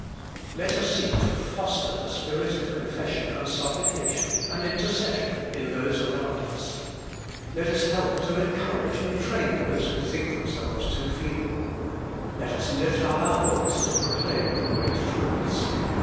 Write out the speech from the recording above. Let us seek to foster the spirit of confession and supplication and intercession in those around us. Let us help to encourage and to train those who think themselves too feeble. Let us lift up our voice to proclaim the great THE COMING REVIVAL 191 truths.